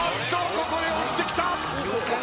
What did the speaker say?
ここで押してきた。